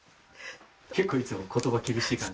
結構いつも言葉厳しい感じ？